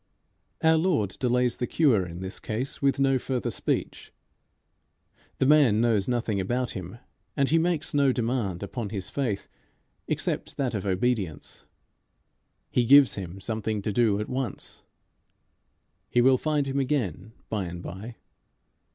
Our Lord delays the cure in this case with no further speech. The man knows nothing about him, and he makes no demand upon his faith, except that of obedience. He gives him something to do at once. He will find him again by and by.